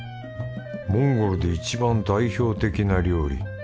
モンゴルで一番代表的な料理。